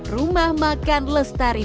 rumah makan lestarifik